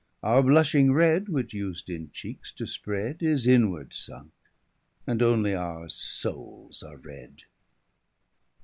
Our blushing red, which us'd in cheekes to spred, Is inward sunke, and only our soules are red.